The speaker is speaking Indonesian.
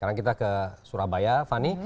sekarang kita ke surabaya fani